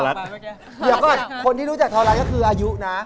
เดี๋ยวก่อนคนที่รู้จักทอไลน์ก็คืออายุนะ